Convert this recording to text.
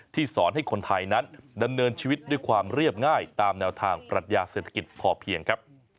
สอนให้คนไทยนั้นดำเนินชีวิตด้วยความเรียบง่ายตามแนวทางปรัชญาเศรษฐกิจพอเพียงครับ